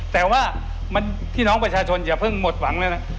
แต่ว่าพี่น้องประชาชนอย่าเพิ่งหมดหวังเลยนะ